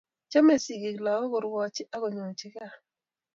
Chame sigik lagok, korwokchi ak konyochi kat.